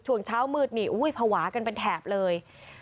ช่วงเช้ามืดนี่ภาวะกันเป็นแถบเลย